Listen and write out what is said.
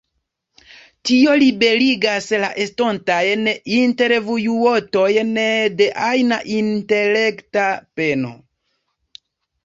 Tio liberigas la estontajn intervjuotojn de ajna intelekta peno.